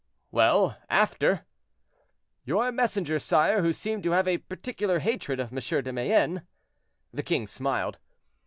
"Well, after?" "Your messenger, sire, who seemed to have a particular hatred of M. de Mayenne—" The king smiled.